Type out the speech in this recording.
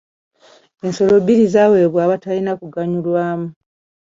Ensolo bbiri zaaweebwa abatalina kuganyulwamu.